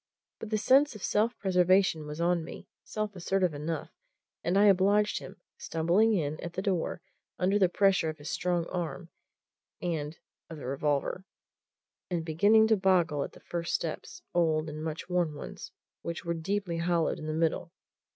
But the sense of self preservation was on me, self assertive enough, and I obliged him, stumbling in at the door under the pressure of his strong arm and of the revolver, and beginning to boggle at the first steps old and much worn ones, which were deeply hollowed in the middle.